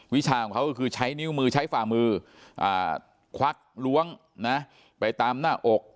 วิชาของเขาก็คือใช้นิ้วมือใช้ฝ่ามือควักล้วงไปตามหน้าอก